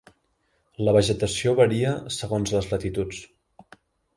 La vegetació varia segons les latituds.